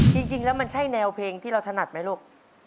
จริงแล้วมันใช่แนวเพลงที่เราถนัดไหมลูก